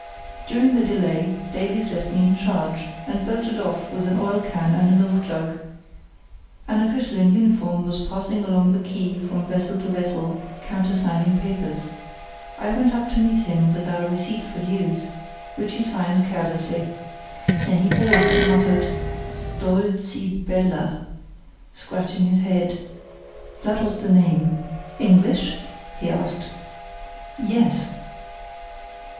During the delay Davies left me in charge, and bolted off with an oil can and a milk jug. An official in uniform was passing along the quay from vessel to vessel countersigning papers. I went up to meet him with our receipt for dues, which he signed carelessly. Then he paused and muttered "Dooltzhibella," scratching his head, "that was the name. English?" he asked. "Yes."